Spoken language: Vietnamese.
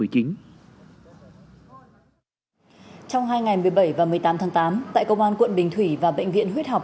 trong hai ngày một mươi bảy và một mươi tám tháng tám tại công an quận bình thủy và bệnh viện huyết học